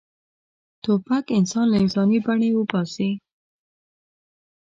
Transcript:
توپک انسان له انساني بڼې وباسي.